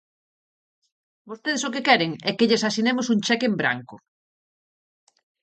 Vostedes o que queren é que lles asinemos un cheque en branco.